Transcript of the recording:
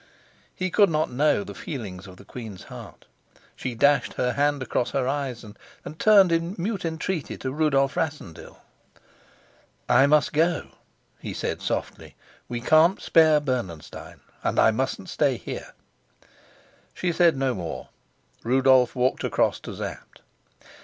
He could not know the feelings of the queen's heart. She dashed her hand across her eyes, and turned in mute entreaty to Rudolf Rassendyll. "I must go," he said softly. "We can't spare Bernenstein, and I mustn't stay here." She said no more. Rudolf walked across to Sapt.